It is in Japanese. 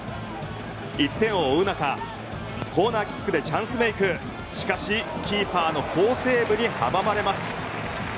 １点を追う中コーナーキックでチャンスメイクしかしキーパーの好セーブに阻まれます。